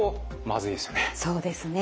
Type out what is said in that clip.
そうですね。